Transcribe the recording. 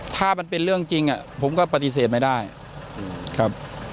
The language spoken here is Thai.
ถ้ามันเป็นเรื่องจริงผมก็ปฏิเสธไม่ได้ครับ